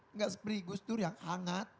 nggak seperti gus dur yang hangat